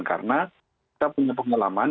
karena kita punya pengelaman